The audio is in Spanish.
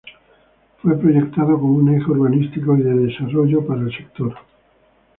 Fue proyectado como un eje urbanístico y de desarrollo para el sector.